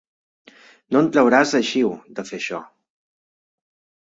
No en trauràs eixiu, de fer això.